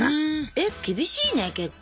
えっ厳しいね結構。